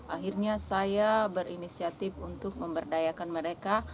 akhirnya saya berinisiatif untuk memberdayakan mereka